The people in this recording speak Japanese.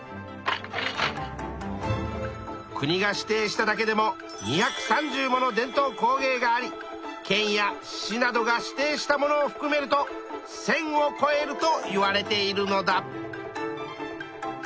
国が指定しただけでも２３０もの伝統工芸があり県や市などが指定したものをふくめると１，０００をこえるといわれているのだ。